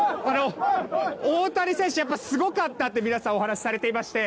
大谷選手、すごかったって皆さんお話しされていまして。